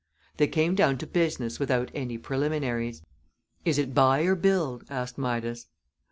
They came down to business without any preliminaries. "Is it buy or build?" asked Midas.